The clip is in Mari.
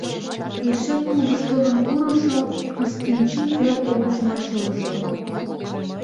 Эше клубыш толын пурышо Кыстынчий пел омыжымат шолышто.